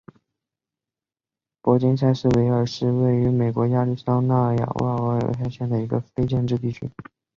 珀金斯维尔是位于美国亚利桑那州亚瓦派县的一个非建制地区。